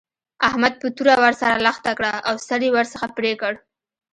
احمد په توره ور سره لښته کړه او سر يې ورڅخه پرې کړ.